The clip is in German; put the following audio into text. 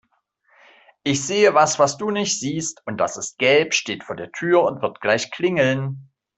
Ich sehe was, was du nicht siehst und das ist gelb, steht vor der Tür und wird gleich klingeln.